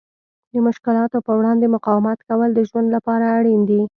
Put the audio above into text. د مشکلاتو په وړاندې مقاومت کول د ژوند لپاره اړین دي.